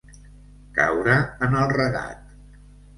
Caure en el regat.